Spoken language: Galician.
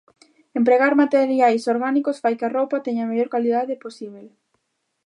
Empregar materiais orgánicos fai que a roupa teña a mellor calidade posíbel.